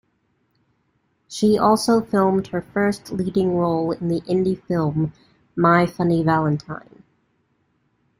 She also filmed her first leading role in the indie film "My Funny Valentine".